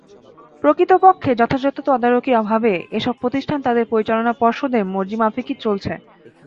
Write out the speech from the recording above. প্রকৃতপক্ষে যথাযথ তদারকির অভাবে এসব প্রতিষ্ঠান তাদের পরিচালনা পর্ষদের মর্জি মাফিকই চলছে।